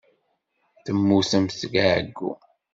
Temmutemt seg ɛeyyu.